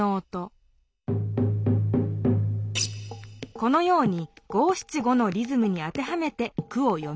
このように「五・七・五」のリズムに当てはめて句をよみます。